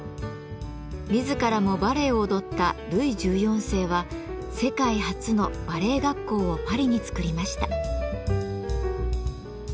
自らもバレエを踊ったルイ１４世は世界初のバレエ学校をパリに作りました。